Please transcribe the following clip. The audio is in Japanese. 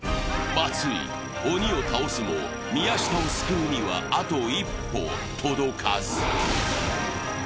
松井、鬼を倒すも宮下を救うにはあと一歩届かず。